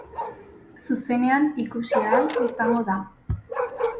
Zuzenean ikusi ahal izango da.